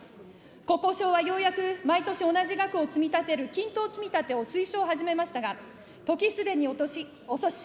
国交省はようやく同じ額を積み立てる均等積立を推奨を始めましたが、時すでに遅し。